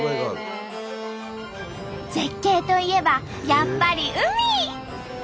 絶景といえばやっぱり海！